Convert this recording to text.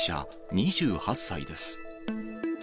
２８歳です。